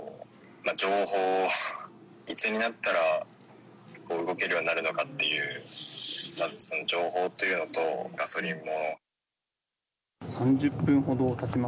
情報、いつになったら動けるようになるのかというその情報というのとガソリンも。